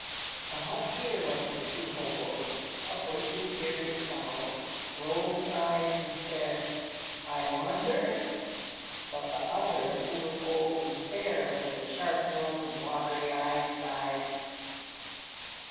The huskier of the two hoboes, a bushy, bearded fellow, rolled his eyes and said, "I wonder?" But the other, who was old and spare, with a sharp nose and watery eyes, sighed.